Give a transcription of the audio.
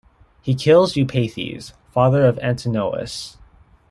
He kills Eupeithes, father of Antinous.